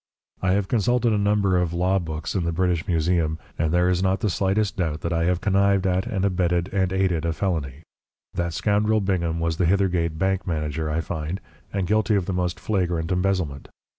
I have consulted a number of law books in the British Museum, and there is not the slightest doubt that I have connived at and abetted and aided a felony. That scoundrel Bingham was the Hithergate bank manager, I find, and guilty of the most flagrant embezzlement.